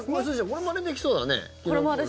これ、まねできそうだね。